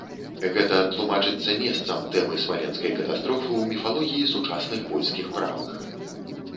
Гэта тлумачыцца месцам тэмы смаленскай катастрофы ў міфалогіі сучасных польскіх правых.